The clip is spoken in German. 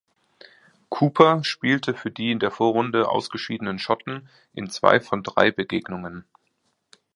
Cooper spielte für die in der Vorrunde ausgeschiedenen Schotten in zwei von drei Begegnungen.